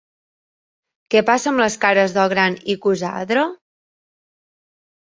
Què passa amb les cares del gran icosàedre?